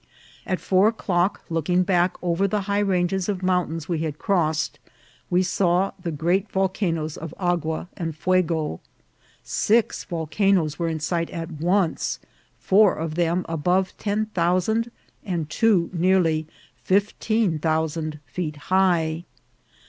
At four o'clock, looking back over the high ranges of mountains we had crossed, we saw the great volcanoes of Agua and Fuego. Six volcanoes were in sight at once, four of them above ten thousand, and two nearly fifteen thousand feet high.